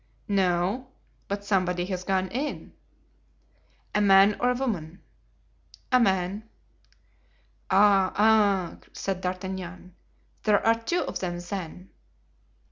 "No, but somebody has gone in." "A man or a woman?" "A man." "Ah! ah!" said D'Artagnan, "there are two of them, then!"